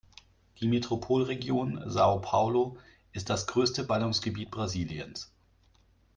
Die Metropolregion São Paulo ist das größte Ballungsgebiet Brasiliens.